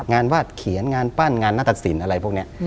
วาดเขียนงานปั้นงานหน้าตสินอะไรพวกนี้